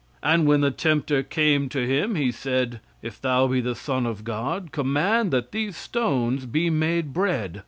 And when the tempter came to him, he said: 'If thou be the son of God command that these stones be made bread.'